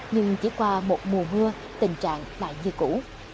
nhưng chỉ qua một mùa mưa tình trạng lại như cũ